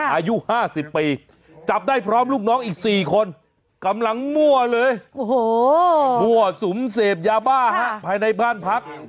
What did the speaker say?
อายุ๕๐ปีจับได้พร้อมลูกน้องอีก๔คนกำลังมั่วเลยมั่วสุมเสพยาบ้าฮะภายในบ้านพัก